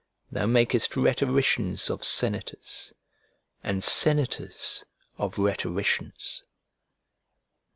Thou makest rhetoricians of senators, and senators of rhetoricians!"